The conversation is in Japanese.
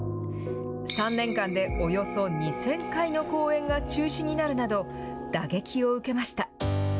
３年間でおよそ２０００回の公演が中止になるなど、打撃を受けました。